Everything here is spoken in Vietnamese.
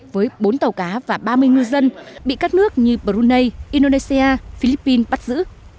với bốn tàu cá và ba mươi ngư dân bị các nước như brunei indonesia philippines bắt giữ